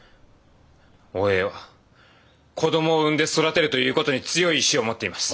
おえいは子どもを産んで育てるという事に強い意志を持っています。